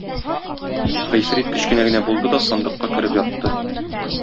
Гыйфрит кечкенә генә булды да сандыкка кереп ятты.